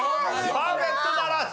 パーフェクトならず。